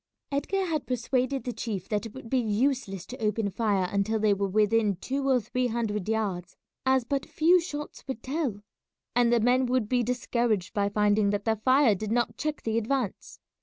Edgar had persuaded the chief that it would be useless to open fire until they were within two or three hundred yards, as but few shots would tell, and the men would be discouraged by finding that their fire did not check the advance.